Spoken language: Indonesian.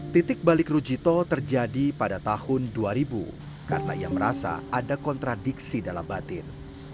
titik balik rujito terjadi pada tahun dua ribu karena ia merasa ada kontradiksi dalam batin